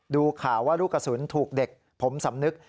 ดูข่าวว่าลูกกระสุนถูกเด็กผมสำนึก